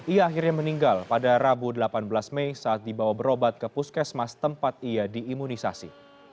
ia akhirnya meninggal pada rabu delapan belas mei saat dibawa berobat ke puskesmas tempat ia diimunisasi